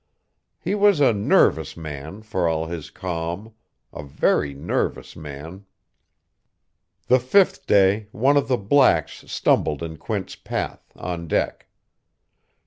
He was a nervous man, for all his calm. A very nervous man.... "The fifth day, one of the blacks stumbled in Quint's path, on deck.